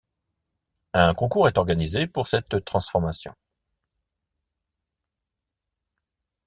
Un concours est organisé pour cette transformation.